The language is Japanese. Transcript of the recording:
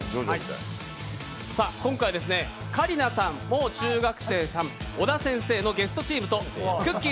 今回は香里奈さん、もう中学生さん、小田先生のゲストチームとくっきー！